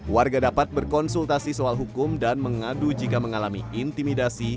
warga dapat berkonsultasi soal hukum dan mengadu jika mengalami intimidasi